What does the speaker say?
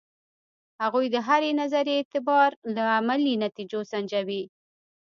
هغوی د هرې نظریې اعتبار له عملي نتیجو سنجوي.